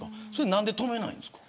何で止めないんですか。